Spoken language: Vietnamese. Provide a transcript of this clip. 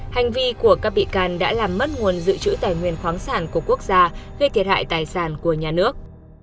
hành vi của các bị can đã làm mất nguồn dự trữ tài nguyên khoáng sản của quốc gia gây thiệt hại tài sản của nhà nước